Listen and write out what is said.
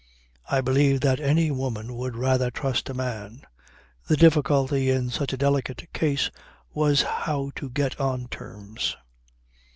I believe that any woman would rather trust a man. The difficulty in such a delicate case was how to get on terms.